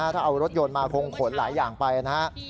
ถ้าเอารถยนต์มาคงขนหลายอย่างไปนะครับ